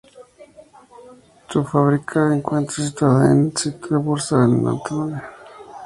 Su fábrica se encuentra situada en la ciudad de Bursa, en el Anatolia.